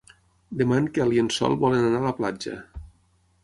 Demà en Quel i en Sol volen anar a la platja.